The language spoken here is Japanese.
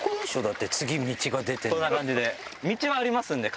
そんな感じで。